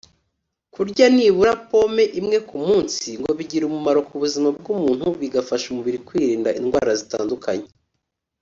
Kurya nibura pomme imwe ku munsi ngo bigira umumaro ku buzima bw’umuntu bigafasha umubiri kwirinda indwara zitandukanye